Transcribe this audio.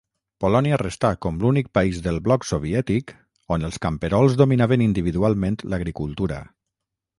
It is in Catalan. Polònia restà com l'únic país del bloc soviètic on els camperols dominaven individualment l'agricultura.